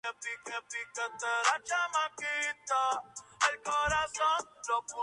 De gran tamaño y con gran parecido a los bóvidos.